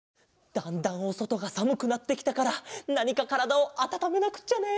だんだんおそとがさむくなってきたからなにかからだをあたためなくっちゃね。